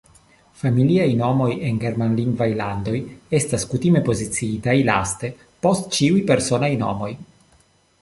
Familiaj nomoj en Germanlingvaj landoj estas kutime poziciitaj laste, post ĉiuj personaj nomoj.